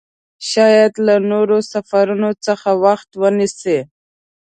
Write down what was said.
شاید له نورو سفرونو څخه وخت ونیسي.